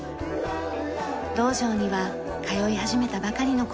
道場には通い始めたばかりの子供もいます。